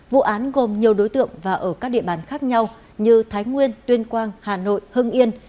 vụ án gồm nhiều đối tượng và ở các địa bàn khác nhau như thái nguyên tuyên quang hà nội hưng yên